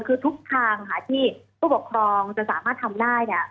คือทุกทางค่ะที่ผู้ปกครองจะสามารถทำได้เนี่ย